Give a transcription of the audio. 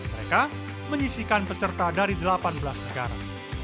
mereka menyisikan peserta dari delapan belas negara